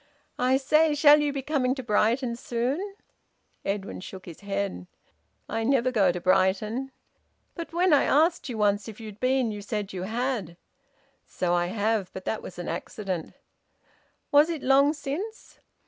I say shall you be coming to Brighton soon?" Edwin shook his head. "I never go to Brighton." "But when I asked you once if you'd been, you said you had." "So I have, but that was an accident." "Was it long since?"